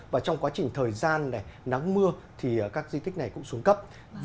và trong quá trình thời gian nắng mưa thì các di tích này cũng xuống cấp